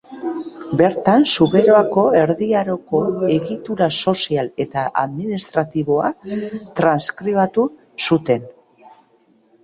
Bertan Zuberoako Erdi Aroko egitura sozial eta administratiboa transkribatu zuten.